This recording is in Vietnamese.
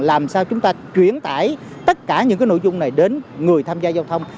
làm sao chúng ta chuyển tải tất cả những cái nội dung này đến người tham gia giao thông